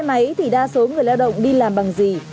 xe máy thì đa số người lao động đi làm bằng gì